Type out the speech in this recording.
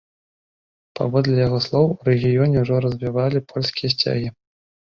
Паводле яго слоў, у рэгіёне ўжо развявалі польскія сцягі.